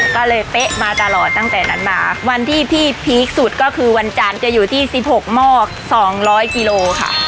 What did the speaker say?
ก็เลยเป๊ะมาตลอดตั้งแต่นั้นมาวันที่พี่พีคสุดก็คือวันจันทร์จะอยู่ที่สิบหกหม้อสองร้อยกิโลค่ะ